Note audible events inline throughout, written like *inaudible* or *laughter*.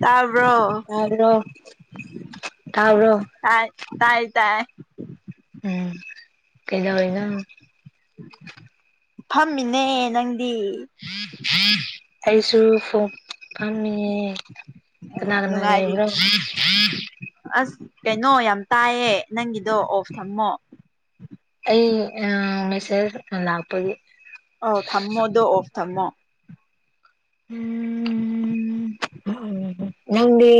ꯇꯥꯕ꯭ꯔꯣ ꯇꯥꯕꯔꯣ ꯇꯥꯕꯔꯣ ꯇꯥꯏ ꯇꯥꯏ ꯇꯥꯏ ꯎꯝ ꯀꯩꯗꯧꯔꯤꯅꯣ ꯐꯝꯃꯤꯅꯦ ꯅꯪꯗꯤ ꯑꯩꯁꯨ ꯐ ꯐꯝꯃꯤꯌꯦ ꯀꯅꯥ ꯑꯣ ꯀꯅꯥ ꯅꯨꯡꯉꯥꯏꯔꯤ ꯂꯩꯕꯔꯣ ꯑꯁ ꯀꯩꯅꯣ ꯌꯥꯝ ꯇꯥꯏꯌꯦ ꯅꯪꯒꯤꯗꯣ ꯑꯣꯐ ꯊꯝꯃꯣ ꯑꯩ ꯑ ꯃꯦꯏꯁ ꯂꯥꯛꯄꯒꯤ ꯑꯧ ꯊꯝꯃꯣꯗꯣ ꯑꯣꯐ ꯊꯝꯃꯣ ꯎꯝ ꯎꯝ ꯎꯝ ꯅꯪꯗꯤ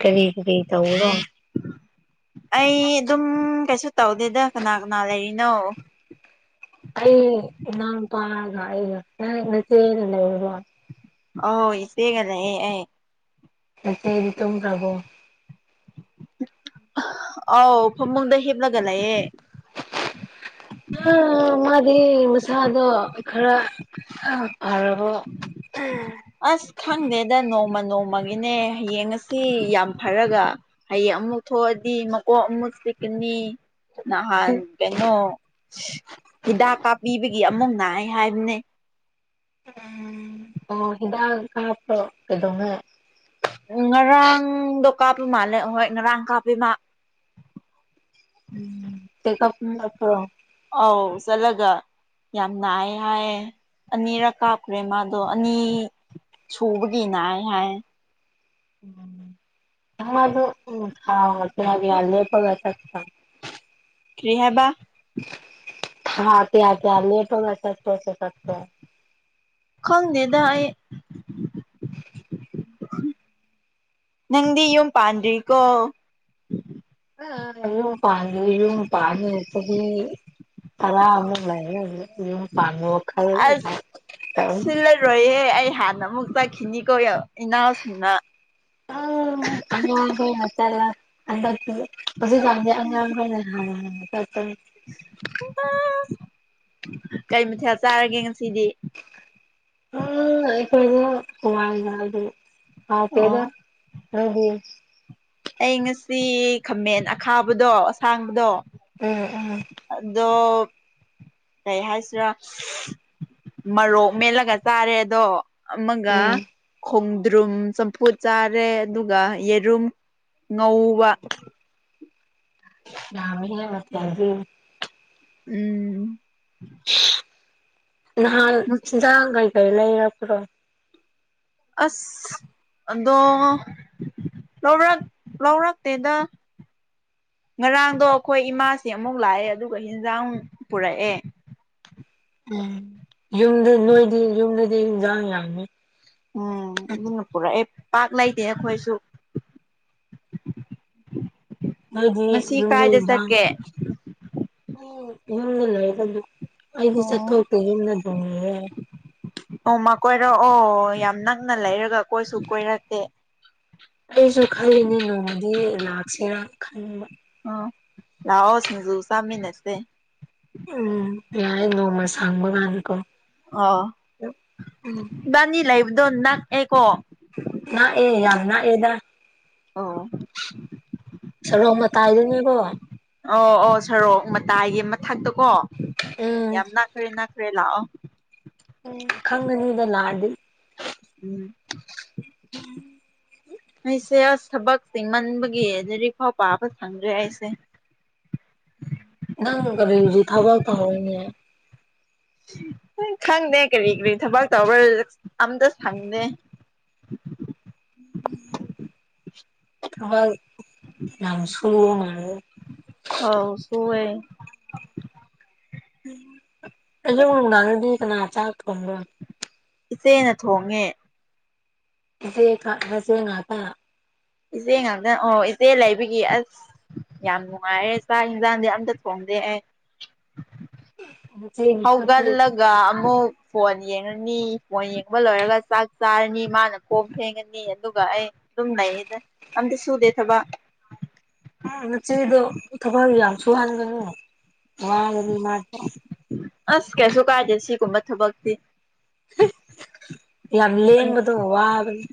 ꯀꯔꯤ ꯀꯔꯤ ꯇꯧꯕꯔꯣ ꯑꯩ ꯑꯗꯨꯝ ꯀꯩꯁꯨ ꯇꯧꯗꯦꯗ ꯀꯅꯥ ꯀꯅꯥ ꯂꯩꯔꯤꯅꯣ ꯑꯩ ꯏꯅꯥꯎꯅꯨꯄꯥꯒ ꯑꯩꯒ ꯅꯪ ꯅꯆꯦꯒ ꯂꯩꯕꯔꯣ ꯑꯥꯎ ꯏꯆꯦꯒ ꯂꯩꯌꯦ ꯑꯩ ꯑꯇꯩꯗꯤ ꯇꯨꯝꯈꯔ꯭ ꯕꯣ ꯑꯥꯎ ꯐꯃꯨꯡꯗ ꯍꯤꯞꯂꯒ ꯂꯩꯑꯦ ꯃꯥꯗꯤ ꯃꯁꯥꯗꯣ ꯈꯔ ꯐꯔꯕ ꯎꯝ ꯑꯁ ꯈꯪꯗꯦꯗ ꯅꯣꯡꯃ ꯅꯣꯡꯃꯒꯤꯅꯦ ꯍꯌꯦꯡꯉꯁꯤ ꯌꯥꯝ ꯐꯔꯒ ꯍꯌꯦꯡ ꯑꯃꯨꯛ ꯊꯣꯛꯑꯗꯤ ꯃꯀꯣꯛ ꯑꯃꯨꯛ ꯆꯤꯛꯀꯅꯤ ꯅꯍꯥꯟ ꯀꯩꯅꯣ ꯍꯤꯗꯥꯛ ꯀꯥꯞꯄꯤꯕꯒꯤ ꯑꯃꯨꯛ ꯅꯥꯏ ꯍꯥꯏꯕꯅꯦ ꯎꯃ ꯑꯣ ꯍꯤꯗꯥꯛ ꯀꯥꯞꯄ꯭ꯔꯣ ꯀꯩꯗꯧꯉꯩ ꯉꯔꯥꯡꯗꯣ ꯀꯥꯞꯄ ꯃꯥꯜꯂꯦ ꯍꯣꯏ ꯉꯔꯥꯡ ꯀꯥꯞꯄꯤ ꯃꯥ ꯆꯦꯛꯀꯞ ꯆꯠꯄꯔꯣ ꯑꯥꯎ ꯆꯠꯂꯒ ꯌꯥꯝ ꯅꯥꯏ ꯍꯥꯏꯌꯦ ꯑꯅꯤꯔꯛ ꯀꯥꯞꯈ꯭ꯔꯦ ꯃꯥꯗꯣ ꯑꯅꯤ ꯁꯨꯕꯒꯤꯅ ꯅꯥꯏ ꯍꯥꯏ ꯑꯉꯥꯡꯗꯨ ꯎꯝ ꯊꯥ ꯀ꯭ꯌꯥ ꯂꯦꯞꯄꯒ ꯆꯠꯄ꯭ꯔꯥ ꯀ꯭ꯔꯤꯍꯥꯢꯕ ꯊꯥ ꯀ꯭ꯌꯥ ꯀ꯭ꯌꯥ ꯂꯦꯞꯄꯒ ꯆꯠꯄ꯭ꯔꯣ ꯆꯦꯛꯀꯞꯇꯣ ꯈꯪꯗꯦꯗ ꯑꯩ *unintelligible* ꯅꯪꯗꯤ ꯌꯨꯝ ꯄꯥꯟꯗ꯭ꯔꯤꯀꯣ *unintelligible* ꯌꯨꯝ ꯄꯥꯟ ꯗ꯭ꯔꯤ ꯌꯨꯝ ꯄꯥꯟꯅꯤꯉꯥꯢ ꯆꯍꯤ ꯇꯔꯥꯃꯨꯛ ꯂꯩꯔꯒ ꯌꯨꯝ *unintelligible* ꯆꯠꯔꯣꯏꯍꯦ ꯑꯩ ꯍꯥꯟꯅ ꯑꯃꯨꯛ ꯆꯠꯈꯤꯅꯤ ꯀꯣ *unintelligible* ꯏꯅꯥꯎꯁꯤꯡꯅ *unintelligible* ꯑꯉꯥꯡꯈꯣꯢꯅ ꯆꯠꯂ ꯍꯟꯗꯛꯇꯤ ꯍꯧꯖꯤꯛꯀꯥꯟꯗꯤ ꯑꯉꯥꯡ ꯈꯣꯢꯅ ꯍꯥꯟꯅ ꯍꯥꯟꯅ ꯆꯠꯄꯅꯤ *unintelligible* ꯀꯩ ꯃꯊꯦꯜ ꯆꯥꯔꯒꯦ ꯉꯁꯤꯗꯤ ꯎꯝ ꯑꯩꯈꯣꯏꯗꯤ ꯍꯋꯥꯢꯖꯥꯔꯒꯤ ꯑꯣ ꯍꯥꯎꯇꯦꯗ ꯅꯣꯢꯗꯤ ꯑꯩ ꯉꯁꯤ ꯈꯥꯃꯦꯟ ꯑꯈꯥꯕꯗꯣ ꯑꯁꯥꯡꯕꯗꯣ ꯎꯝ ꯎꯝ ꯑꯗꯣ ꯀꯩ ꯍꯥꯏꯁꯤꯔꯥ ꯃꯔꯣꯛ ꯃꯦꯠꯂꯒ ꯆꯥꯔꯦ ꯑꯗꯣ ꯑꯃꯒ ꯎꯝ ꯈꯣꯡꯗ꯭ꯔꯨꯝ ꯆꯝꯐꯨꯠ ꯆꯥꯔꯦ ꯑꯗꯨꯒ ꯌꯦꯔꯨꯝ ꯉꯧꯕ ꯌꯥꯃꯤꯍꯦ ꯃꯊꯦꯜꯗꯤ ꯎꯝ *unintelligible* ꯅꯍꯥꯟ ꯏꯟꯖꯥꯡ ꯀꯩ ꯀꯩ ꯂꯩꯔꯛꯄ꯭ꯔꯣ ꯑꯁ ꯑꯗꯣ ꯂꯧꯔꯛ ꯂꯧꯔꯛꯇꯦꯗ ꯉꯔꯥꯡꯗꯣ ꯑꯩꯈꯣꯏ ꯏꯃꯥꯥꯁꯤ ꯑꯃꯨꯛ ꯂꯥꯛꯑꯦ ꯑꯗꯨꯒ ꯍꯤꯟꯖꯥꯡ ꯄꯨꯔꯛꯑꯦ ꯎꯝ ꯌꯨꯝꯗꯨ ꯅꯣꯏꯗꯤ ꯌꯨꯝꯗꯗꯤ ꯏꯟꯖꯥꯡ ꯌꯥꯝꯃꯤ ꯎꯝ ꯑꯗꯨꯅ ꯄꯨꯔꯛꯑꯦ ꯄꯥꯛ ꯂꯩꯇꯦ ꯑꯈꯣꯏꯁꯨ ꯅꯣꯏꯗꯤ ꯉꯁꯤ ꯌꯨꯝꯗ ꯀꯥꯏꯗ ꯏꯟꯖꯥꯡ ꯆꯠꯀꯦ *unintelligible* ꯌꯨꯝꯗ ꯂꯩꯕꯒꯤ ꯑꯩꯗꯤ ꯑꯣ ꯆꯠꯊꯣꯛꯇꯦ ꯌꯨꯝꯗ ꯗꯨꯝ ꯂꯩꯌꯦ ꯅꯣꯡꯃ ꯀꯣꯏꯔꯛꯑꯣ ꯌꯥꯝ ꯅꯛꯅ ꯂꯩꯔꯒ ꯀꯣꯏꯁꯨ ꯀꯣꯏꯔꯛꯇꯦ ꯑꯩꯁꯨ ꯈꯜꯂꯤꯅꯦ ꯅꯣꯡꯃꯗꯤ ꯂꯥꯛꯁꯤꯔ ꯈꯟꯕ ꯑꯝ ꯂꯥꯛꯑꯣ ꯁꯤꯡꯖꯨ ꯆꯥꯃꯤꯟꯅꯁꯦ ꯎꯝ ꯌꯥꯢ ꯅꯣꯡꯃ ꯁꯪꯕꯒꯥꯟꯀꯣ ꯑꯣ ꯏꯕꯥꯅꯤ ꯂꯩꯕꯗꯣ ꯅꯛꯑꯦꯀꯣ ꯅꯛꯑꯦ ꯌꯥꯝ ꯅꯛꯑꯦꯗ ꯑꯣ ꯁꯔꯣꯛ ꯃꯇꯥꯏꯗꯅꯤꯀꯣ ꯑꯣ ꯑꯣ ꯁꯔꯣꯛ ꯃꯇꯥꯏꯒꯤ ꯃꯊꯛꯇꯀꯣ ꯎꯝ ꯌꯥꯝ ꯅꯛꯈ꯭ꯔꯦ ꯅꯛꯈ꯭ꯔꯦ ꯂꯥꯛꯑꯣ ꯎꯝ ꯈꯪꯒꯅꯤꯗ ꯂꯥꯛꯑꯗꯤ ꯎꯝ ꯑꯩꯁꯦ ꯑꯁ ꯊꯕꯛ ꯆꯤꯡꯃꯟꯕꯒꯤ ꯂꯔꯤꯛꯐꯥꯎ ꯄꯥꯕ ꯁꯪꯗ꯭ꯔꯦ ꯑꯩꯁꯦ *unintelligible* ꯅꯪ ꯀꯔꯤꯖꯤ ꯊꯥꯕꯛ ꯇꯧꯋꯦꯅꯦ ꯈꯪꯗꯦ ꯀꯔꯤ ꯀ꯭ꯔꯤ ꯊꯕꯛ ꯇꯧꯕ꯭ꯔꯥ ꯑꯝꯇ ꯁꯪꯗꯦ ꯊꯕꯛ ꯌꯥꯝ ꯁꯨꯕ ꯃꯥꯜꯂꯦ ꯑꯧ ꯁꯨꯋꯦ ꯑꯗꫭ ꯅꯨꯡꯗꯥꯡꯗꯗꯤ ꯀꯅꯥ ꯆꯥꯛ ꯊꫭꯡꯕꯔ ꯏꯆꯦꯅ ꯊꯣꯡꯉꯦ *unintelligible* ꯉꯥꯛꯇ ꯏꯆꯦ ꯉꯥꯛꯇ ꯑꯣ ꯏꯆꯦ ꯂꯩꯕꯒꯤ ꯑꯁ ꯌꯥꯝ ꯅꯨꯡꯉꯥꯏꯌꯦꯦ ꯆꯥꯛ ꯌꯦꯟꯁꯥꯡꯗꯤ ꯑꯝꯇ ꯊꯣꯡꯗꯦ ꯑꯩ ꯅꯆꯦ ꯈꯣꯠꯇꯦ ꯍꯧꯒꯂꯛ ꯑꯗꯨꯒ ꯑꯃꯨꯛ ꯐꯣꯟ ꯌꯦꯡꯉꯅꯤ ꯐꯣꯟ ꯌꯦꯡꯕ ꯂꯣꯏꯔꯒ ꯆꯥꯛ ꯆꯥꯔꯅꯤ ꯃꯥꯅ ꯀꯣꯟ ꯐꯦꯡꯉꯅꯤ ꯑꯗꯨꯒ ꯑꯩ ꯑꯗꯨꯝ ꯂꯩꯌꯦꯗ ꯑꯝꯇ ꯁꯨꯗꯦ ꯊꯕꯛ ꯅꯆꯦꯗꯣ ꯊꯕꯛ ꯌꯥꯝ ꯁꯨꯍꯟꯒꯅꯨ ꯋꯥꯒꯅꯤ ꯃꯥ ꯑꯁ ꯀꯩꯁꯨ ꯀꯥꯏꯗꯦ ꯁꯤꯒꯨꯝꯕ ꯊꯕꯛꯇꯤ ꯌꯥꯝ ꯂꯦꯡꯕꯗꯣ ꯋꯥꯕꯅꯤ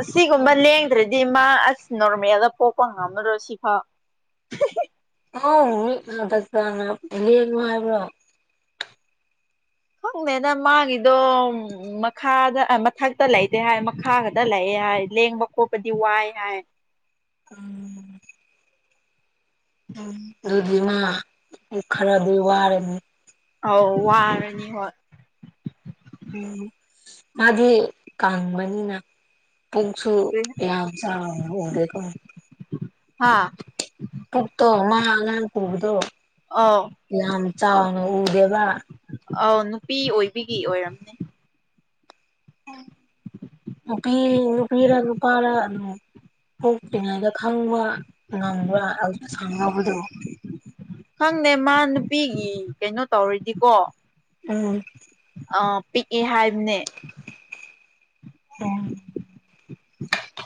ꯑꯁꯤꯒꯨꯝꯕ ꯂꯦꯡꯗ꯭ꯔꯗꯤ ꯃꯥ ꯑꯁ ꯅꯣꯔꯃꯦꯜꯗ ꯄꯣꯛꯄ ꯉꯝꯂꯔꯣ ꯁꯤꯐꯥꯎ ꯑꯥ ꯃꯤ ꯗꯥꯛꯇꯔꯅ ꯂꯦꯡꯉꫭ ꯍꯥꯏꯕ꯭ꯔꯣ ꯈꯪꯗꯦꯗ ꯃꯥꯒꯤꯗꯣ ꯎꯝ ꯃꯈꯥꯗ ꯃꯊꯛꯇ ꯂꯩꯇꯦ ꯍꯥꯏ ꯃꯈꯥ ꯈꯛꯇ ꯂꯩꯌꯦ ꯍꯥꯏ ꯂꯦꯡꯕ ꯈꯣꯠꯄꯗꯤ ꯋꯥꯏ ꯍꯥꯏ ꯎꯝ ꯎꯝ ꯑꯗꯨꯗꯤ ꯃꯥꯗꯤ ꯈꯔꯗꯤ ꯋꯥꯔꯅꯤ ꯑꯧ ꯋꯥꯔꯅꯤ ꯍꯣꯏ ꯎꯝ ꯃꯥꯗꯤ ꯀꯪꯕꯅꯤꯅ ꯄꯨꯛꯁꯨ ꯌꯥꯝ ꯆꯥꯎꯅ ꯎꯗꯦꯀꫭ ꯍꯥ ꯄꯨꯛꯇꯣ ꯃꯥ ꯑꯉꯥꯡ ꯄꯨꯕꯗꯣ ꯑꯧ ꯌꯥꯝ ꯆꯥꯎꯅ ꯎꯗꯦꯕ ꯑꯧ ꯅꯨꯄꯤ ꯑꯣꯏꯕꯤꯒꯤ ꯑꯣꯏꯔꯝꯅꯤ ꯅꯨꯄꯤꯔ ꯅꯨꯄꯥꯔ ꯄꫭꯛꯇꯔꯤꯉꯩꯗ ꯈꯪꯕ ꯉꯝꯕ꯭ꯔ ꯑꯗꯨ ꯁꯥꯟꯅꯕꯗꯣ ꯈꯪꯗꯦ ꯃꯥ ꯅꯨꯄꯤꯒꯤ ꯀꯩꯅꯣ ꯇꯧꯔꯗꯤꯀꯣ ꯎꯝ ꯑꯥ ꯄꯤꯛꯑꯦ ꯍꯥꯏꯕꯅꯦ ꯎꯝ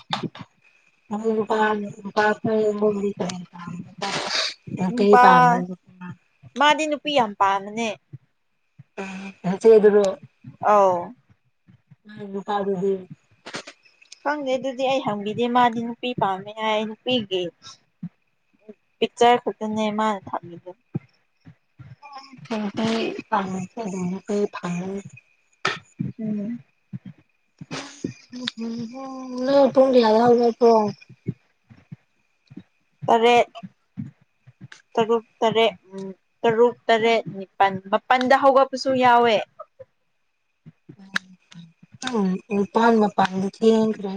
*unintelligible* ꯅꯨꯄꯥ ꯄꯥꯝꯕ꯭ꯔꯥ ꯃꯥꯗꯤ ꯅꯨꯄꯤ ꯌꯥꯝ ꯄꯥꯝꯕꯅꯦ ꯎꯝ ꯅꯆꯦꯗꯨꯔꫭ ꯑꯧ ꯎꯝ ꯅꯨꯄꯥꯥꯗꯨꯗꯤ ꯈꯪꯗꯦ ꯑꯗꯨꯗꯤ ꯑꯩ ꯍꯪꯕꯤꯗꯦ ꯃꯥꯗꯤ ꯅꯨꯄꯤ ꯄꯥꯝꯃꯦ ꯍꯥꯏ ꯅꯨꯄꯤꯒꯤ ꯄꯤꯛꯆꯔ ꯈꯛꯇꯅꯦ ꯃꯥꯅ ꯊꯝꯃꯤꯗꫭ *unintelligible* ꯎꯝ ꯅꫭꯏ ꯄꯨꯡ‌‌ ꯀꯌꯥꯗ ꯍꯧꯒꯠꯄꯔꫭ ꯇꯔꯦꯠ ꯇꯔꯨꯛ ꯇꯔꯦꯠ ꯎꯝ ꯇꯔꯨꯛ ꯇꯔꯦꯠ ꯅꯤꯄꯥꯜ ꯃꯥꯄꯜꯗ ꯍꯧꯒꯠꯄꯁꯨ ꯌꯥꯎꯋꯦ ꯎꯝ ꯅꯤꯄꯥꯜ‌ ꯃꯄꯥꯟꯗꯤ ꯊꯦꯡꯈ꯭ꯔꯦ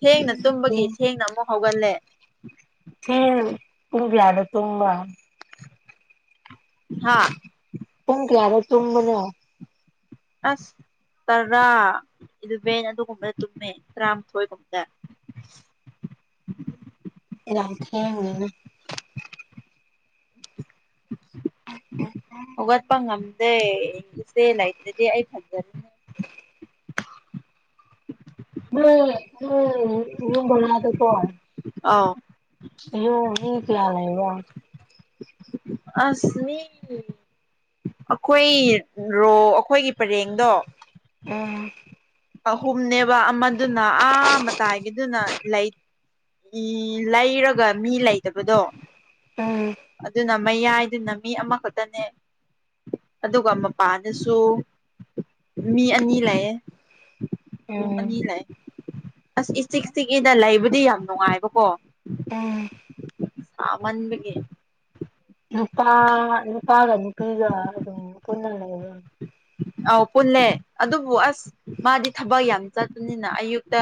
ꯊꯦꯡꯅ ꯇꯨꯝꯕꯒꯤ ꯊꯦꯡ ꯊꯦꯡꯅ ꯑꯃꯨꯛ ꯍꯧꯒꯠꯂꯦ ꯊꯦꯡ ꯄꯨꯡ ꯀꯌꯥꯗ ꯇꯨꯝꯕ꯭ ꯍꯥꯥ ꯄꯨꯡ ꯀꯌꯥꯗ ꯇꯨꯝꯕꯅꯣ ꯑꯁ ꯇꯔꯥ ꯏꯂꯦꯚꯦꯟ ꯑꯗꯨꯒꯨꯝꯕꯗ ꯇꯨꯝꯃꯦ ꯇꯔꯥꯃꯥꯊꯣꯏꯒꯨꯝꯕꯗ ꯑꯦꯂꯥ꯭ꯔꯝ ꯊꯦꯡꯉꯦꯅꯦ ꯍꯧꯒꯠꯄ ꯉꯝ ꯗꯦ ꯏꯆꯦ ꯂꯩꯇ꯭ꯔꯗꯤ ꯑꯩ ꯐꯖ *unintelligible* *inaudible* ꯎꯝ ꯎꯝ ꯅꯪ ꯕꯣꯂꯥꯗ ꯀꯣ ꯑꯧ ꯌꯣ ꯃꯤ ꯀꯌꯥ ꯂꯩꯕ꯭ꯔꯥ ꯑꯁ ꯃꯤ ꯑꯩꯈꯣꯏ ꯔꯣ ꯑꯩꯈꯣꯏꯒꯤ ꯄꯔꯦꯡꯗꯣ ꯎꯝ ꯑꯍꯨꯝꯅꯦꯕ ꯑꯃꯗꯨꯅ ꯑꯥ ꯃꯇꯥꯏꯒꯤꯗꯨꯅ ꯂꯩ ꯏ ꯂꯩꯔꯒ ꯃꯤ ꯂꯩꯇꯕꯗꯣ ꯎꯝ ꯑꯗꯨꯅ ꯃꯌꯥꯏꯗꯨꯅ ꯃꯤ ꯑꯃꯈꯛꯇꯅꯦ ꯑꯗꯨꯒ ꯃꯄꯥꯥꯟꯗꯁꯨ ꯃꯤ ꯑꯅꯤ ꯂꯩꯌꯦ ꯔꯨꯝ ꯑꯅꯤ ꯎꯝ ꯂꯩ ꯑꯁ ꯏꯆꯤꯛ ꯆꯤꯛꯏꯗꯥ ꯂꯩꯕꯗꯤ ꯌꯥꯝ ꯅꯨꯡꯉꯥꯏꯕꯀꯣ ꯎꯝ ꯁꯥꯃꯟꯕꯒꯤ ꯅꯨꯄꯥ ꯅꯨꯄꯥꯒ ꯅꯨꯄꯤꯒ ꯑꯗꯨꯝ ꯄꯨꯟꯅ ꯂꯩꯕ꯭ꯔꯣ ꯑꯥꯎ ꯄꯨꯜꯂꯦ ꯑꯗꯨꯕꯨ ꯑꯁ ꯃꯥꯗꯤ ꯊꯕꯛ ꯌꯥꯝ ꯆꯠꯇꯄꯅꯤꯅ ꯑꯌꯨꯛꯇ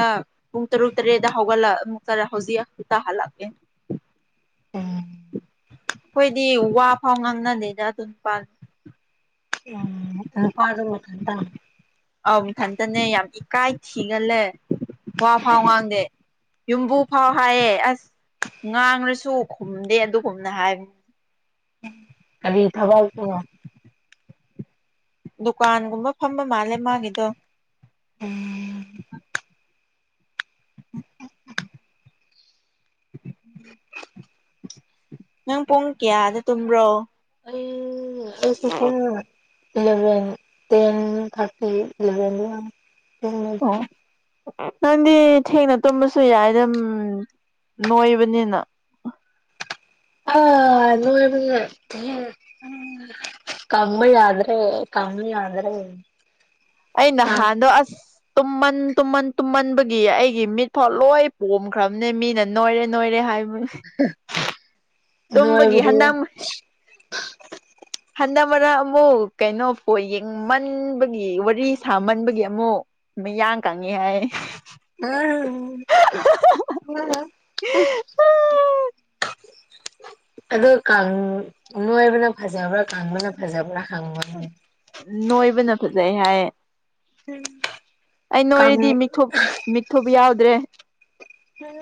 ꯄꯨꯡ ꯇꯔꯨꯛ ꯇꯔꯦꯠꯗ ꯍꯧꯒꯠꯂ ꯑꯃꯨꯛ ꯆꯠꯂ ꯍꯨꯖꯤꯛꯇꯥ ꯍꯜꯂꯛꯑꯦ ꯎꯝ ꯈꯣꯏꯗꯤ ꯋꯥ ꯐꯥꯎ ꯉꯥꯡꯅꯗꯦꯗꯥ ꯑꯗꯨꯏ ꯅꯨꯄꯥꯗꯣ ꯎꯝ ꯅꯨꯄꯥꯗꯣ ꯃꯊꯟꯇ ꯑꯥꯎ ꯃꯊꯟꯇꯅꯦ ꯌꯥꯝ ꯏꯀꯥꯏ ꯊꯤꯒꯜꯂꯦ ꯋꯥ ꯐꯥꯎ ꯉꯥꯡꯗꯦ ꯌꯨꯝꯕꯨ ꯐꯥꯎ ꯍꯥꯏꯑꯦ ꯑꯁ ꯉꯥꯡꯂꯁꯨ ꯈꯨꯝꯗꯦ ꯑꯗꯨꯒꯨꯝꯅ ꯍꯥꯏꯕꯅꯤ ꯀꯔꯤ ꯊꯕꯛꯅꯣ ꯗꯨꯀꯥꯟꯒꯨꯝꯕ ꯐꯝꯕ ꯃꯥꯜꯂꯦ ꯃꯥꯒꯤꯗꯣ ꯑꯝ *inaudible* *inaudible* *inaudible* ꯅꯪ ꯄꯨꯡ ꯀꯌꯥꯗ ꯇꯨꯝꯕ꯭ꯔꯣ ꯑꯩ ꯑꯩꯁꯦ ꯄꯨꯡ ꯏꯂꯚꯦꯟ ꯇꯦꯟ ꯊꯥꯔꯇꯤ ꯏꯂꯚꯦꯟ *unintelligible* ꯅꯪꯗꯤ ꯊꯦꯡꯅ ꯇꯨꯝꯕꯁꯨ ꯌꯥꯏ ꯑꯗꯨꯝ ꯅꯣꯏꯕꯅꯤꯅ ꯑ *unintelligible* ꯀꯪꯕ ꯌꯥꯗ꯭ꯔꯦ ꯀꯪꯕ ꯌꯥꯗ꯭ꯔꯦ ꯑꯩ ꯅꯍꯥꯟꯗꯣ ꯑꯁ ꯇꯨꯝꯃꯟ ꯇꯨꯝꯃꯟ ꯇꯨꯝꯃꯟꯕꯒꯤ ꯑꯩꯒꯤ ꯃꯤꯠꯐꯥꯎ ꯂꯣꯏ ꯄꯣꯝꯈ꯭ꯔꯕꯅꯦ ꯃꯤꯅ ꯅꯣꯏꯔꯦ ꯅꯣꯏꯔꯦ ꯍꯥꯏ *unintelligible* *inaudible* ꯇꯨꯝꯕꯒꯤ ꯅꯣꯏꯕꯗꯤ ꯍꯟꯗꯝ ꯍꯟꯗꯛ ꯃꯔꯛ ꯑꯃꯨꯛ ꯀꯩꯅꯣ ꯕꯣꯜ ꯌꯦꯡꯃꯟꯕꯒꯤ ꯋꯥꯔꯤ ꯁꯥꯃꯟꯕꯒꯤ ꯑꯃꯨꯛ ꯃꯤ ꯌꯥꯡ ꯀꯪꯉꯤ ꯍꯥꯏ ꯎꯝ ꯎꯝ *unintelligible* ꯑꯗꯣ ꯀꯥꯡ ꯅꯣꯏꯕꯅ ꯐꯖꯕ꯭ꯔꯥ ꯀꯪꯕꯅ ꯐꯖꯕ꯭ꯔꯥ ꯍꯪꯉꯣ ꯅꯣꯏꯕꯅ ꯐꯖꯩ ꯍꯥꯏꯌꯦ ꯎꯝ ꯑꯩ ꯅꯣꯏꯔꯗꯤ ꯃꯤꯊꯨꯞ ꯃꯤꯊꯨꯞ ꯌꯥꯎꯗ꯭ꯔꯦ ꯍꯝ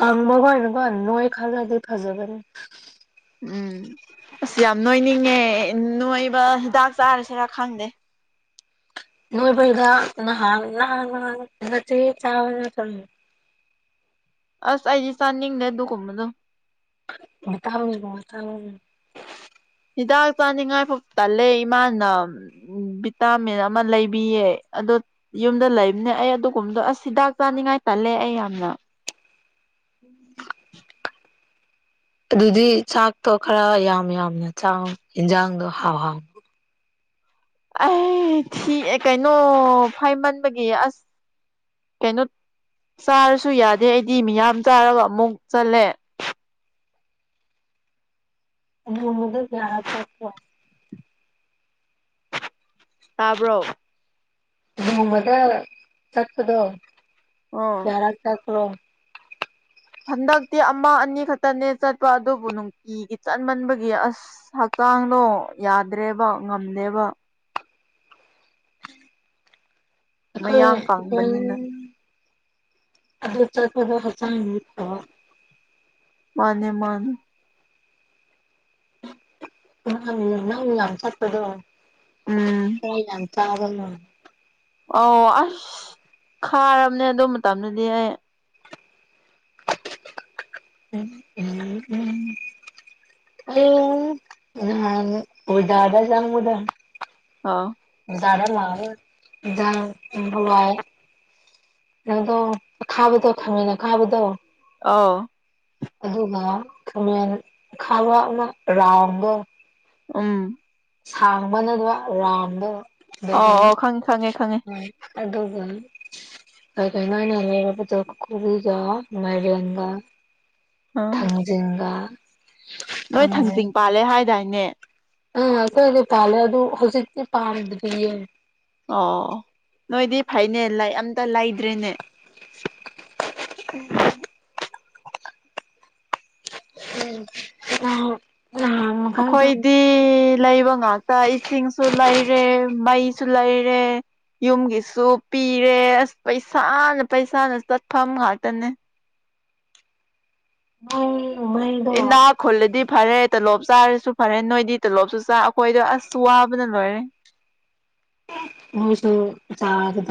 ꯀꯪꯕꯈꯣꯏꯅꯀꯣ ꯅꯣꯏꯈꯠꯂꯗꯤ ꯐꯖꯕꯅꯤ ꯎꯝ ꯑꯁ ꯌꯥꯝ ꯅꯣꯏꯅꯤꯡꯉꯦ ꯅꯣꯏꯕ ꯍꯤꯗꯥꯛ ꯆꯥꯔꯁꯦꯔꯥ ꯈꯪꯗꯦ ꯅꯣꯏꯕꯩꯒ ꯅꯍꯥꯟ ꯅꯍꯥꯟ *unintelligible* ꯑꯁ ꯑꯩꯗꯤ ꯆꯥꯅꯤꯡꯅꯦ ꯑꯗꯨꯀꯨꯝꯕꯗꯣ *unintelligible* ꯍꯤꯗꯥꯛ ꯆꯥꯅꯤꯡꯉꯥꯏꯐꯥꯎ ꯇꯜꯂꯦ ꯏꯃꯥꯅ ꯎꯝ ꯚꯤꯇꯥꯃꯤꯟ ꯑꯃ ꯂꯩꯕꯤꯌꯦ ꯑꯗꯣ ꯌꯨꯝꯗ ꯂꯩꯕꯅꯦ ꯑꯩ ꯑꯗꯨꯒꯨꯝꯕꯗꯣ ꯑꯁ ꯍꯤꯗꯥꯛ ꯆꯥꯅꯤꯡꯉꯥꯏ ꯇꯜꯂꯦ ꯑꯩ ꯌꯥꯝꯅ ꯎꯝ ꯑꯗꯨꯗꯤ ꯆꯥꯛꯇꯣ ꯈꯔ ꯌꯥꯝ ꯌꯥꯝꯅ ꯆꯥꯎ ꯌꯦꯟꯖꯥꯡꯗꯣ ꯍꯥꯎꯍꯥꯎ ꯑꯩ ꯊꯤ ꯀꯩꯅꯣ ꯐꯥꯏꯃꯟꯕꯒꯤ ꯑꯁ ꯀꯩꯅꯣ ꯆꯥꯔꯁꯨ ꯌꯥꯗꯦ ꯑꯩꯗꯤ ꯃꯤꯌꯥꯝ ꯆꯥꯔꯒ ꯑꯃꯨꯛ ꯆꯠꯂꯦ *unintelligible* ꯇꯥꯕ꯭ꯔꯣ ꯅꯣꯡꯃꯗ ꯆꯠꯄꯗꯣ ꯑꯣ ꯀꯌꯥꯔꯛ ꯆꯠꯕꯔꯣ ꯍꯟꯗꯛꯇꯤ ꯑꯃ ꯑꯅꯤ ꯈꯛꯇꯅꯦ ꯆꯠꯄ ꯑꯗꯨꯕꯨ ꯅꯨꯡꯇꯤꯒꯤ ꯆꯠꯃꯟꯕꯒꯤ ꯑꯁ ꯍꯛꯆꯥꯡꯗꯣ ꯌꯥꯗ꯭ꯔꯦꯕ ꯉꯝꯗꯦꯕ ꯃꯌꯥꯡ ꯀꯪꯕꯅꯤꯅ ꯑꯩꯈꯣꯏ *unintelligible* ꯃꯥꯅꯦ ꯃꯥꯅꯦ ꯅꯪ ꯌꯥꯝ ꯆꯠꯄꯗꯣ ꯎꯝ ꯌꯥꯝ ꯆꯥꯕꯅ ꯑꯣ ꯑꯁ ꯈꯥꯔꯝꯅꯦ ꯑꯗꯨ ꯃꯇꯝꯗꯗꯤ ꯑꯩ ꯎꯝ ꯎꯝ ꯎꯝ ꯑꯩ ꯅꯍꯥꯟ *unintelligible* ꯑꯥ *unintelligible* ꯏꯟꯖꯥꯡ ꯍꯋꯥꯏ ꯅꯪꯗꯣ ꯑꯈꯥꯕꯗꯣ ꯈꯃꯦꯟ ꯑꯈꯥꯕꯗꯣ ꯑꯧ ꯑꯗꯨꯒ ꯈꯥꯃꯦꯟ ꯑꯈꯥ ꯑꯃ ꯔꯥꯎꯟꯗꯣ ꯎꯝ ꯁꯥꯡꯕ ꯅꯠꯇꯕ ꯔꯥꯎꯟꯗꯣ ꯑꯧ ꯑꯧ ꯈꯪꯉꯦ ꯈꯪꯉꯦ ꯈꯪꯉꯦ ꯑꯗꯨꯒ ꯑꯗꯨꯒꯤ *unintelligible* ꯀꯨꯕꯤꯒ ꯃꯥꯏꯔꯦꯟꯒ ꯑꯥ ꯊꯪꯖꯤꯡꯒ ꯅꯣꯏ ꯊꯪꯖꯤꯡ ꯄꯥꯜꯂꯦ ꯍꯥꯏꯗꯥꯏꯅꯦ ꯎꯝ ꯑꯈꯣꯏꯒꯤ ꯄꯥꯜꯂꯦ ꯑꯗꯨ ꯍꯧꯖꯤꯛꯇꯤ ꯄꯥꯟꯗ꯭ꯔꯤꯌꯦ ꯑꯣ ꯅꯣꯏꯗꯤ ꯐꯩꯅꯦ ꯂꯩ ꯑꯝꯇ ꯂꯩꯗ꯭ꯔꯦꯅꯦ *inaudible* *unintelligible* ꯑꯈꯣꯏ ꯗꯤ ꯂꯩꯕ ꯉꯥꯛꯇ ꯏꯁꯤꯡꯁꯨ ꯂꯩꯔꯦ ꯃꯩꯁꯨ ꯂꯩꯔꯦ ꯌꯨꯝꯒꯤꯁꯨ ꯄꯤꯔꯦ ꯑꯁ ꯄꯩꯁꯥꯅ ꯄꯩꯁꯥꯅ ꯆꯠꯐꯝ ꯉꯥꯇꯅꯦ *unintelligible* ꯏꯅꯥꯞ ꯈꯨꯜꯂꯗꯤ ꯐꯔꯦ ꯇꯣꯂꯣꯞ ꯆꯥꯔꯁꯨ ꯐꯔꯦ ꯅꯣꯏꯗꯤ ꯇꯣꯂꯣꯞꯁꯨ ꯆꯥ ꯑꯈꯣꯏꯗꯣ ꯑꯁ ꯋꯥꯕꯅ ꯂꯣꯏꯔꯦ ꯃꯣꯏꯁꯨ ꯆꯥꯕꯗ